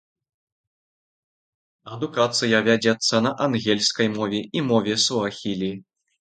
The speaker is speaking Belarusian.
Адукацыя вядзецца на англійскай мове і мове суахілі.